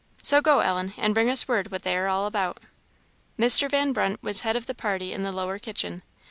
So go, Ellen, and bring us word what they are all about." Mr. Van Brunt was head of the party in the lower kitchen.